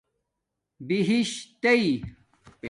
بہش تݵ